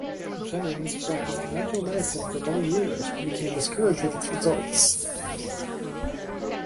Jennings practiced conventional medicine for many years but became discouraged with its results.